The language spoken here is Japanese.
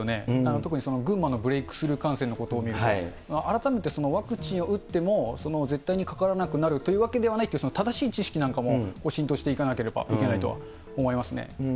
特に群馬のブレイクスルー感染のことを見ると、改めてワクチンを打っても、絶対にかからなくなるというわけではないって、正しい知識なんかも浸透していかなければいけないとは思いますね。